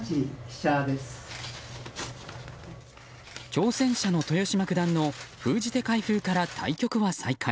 挑戦者の豊島九段の封じ手開封から対局は再開。